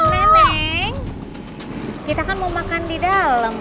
lenteng kita kan mau makan di dalam